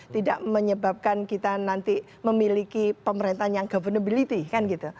tidak menyebabkan kita nanti memiliki pemerintahan yang governability kan gitu